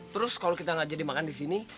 terus kalo kita gak jadi makan disini